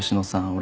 俺。